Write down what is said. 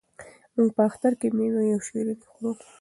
موږ په اختر کې مېوې او شیریني خورو.